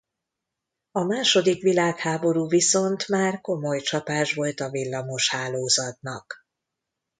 A második világháború viszont már komoly csapás volt a villamoshálózatnak.